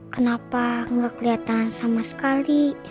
kenapa gak keliatan sama sekali